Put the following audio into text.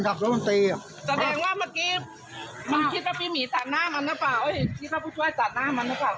คือคือเห็นการปฐมพยาบาล